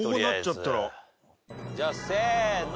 じゃあせーの。